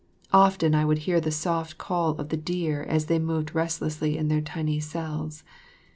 Often I would hear the soft call of the deer as they moved restlessly in their tiny cells.